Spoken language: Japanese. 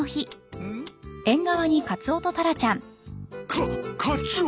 カカツオ。